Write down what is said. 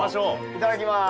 いただきます。